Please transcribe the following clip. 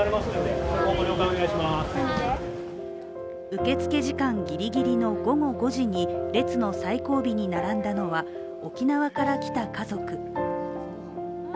受付時間ギリギリの午後５時に列の最後尾に並んだのは沖縄から来た家族。